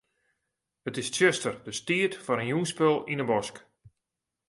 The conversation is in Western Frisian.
It is tsjuster, dus tiid foar in jûnsspul yn 'e bosk.